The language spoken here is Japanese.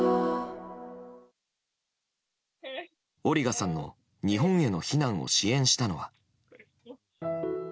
オリガさんの日本への避難を支援したのは。